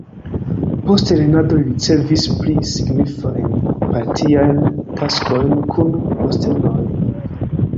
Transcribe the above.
Post lernado li ricevis pli signifajn partiajn taskojn kun postenoj.